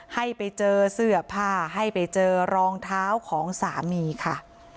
ให้ไปเจอเสื้อผ้าให้ไปเจอรองเท้าของสามีค่ะ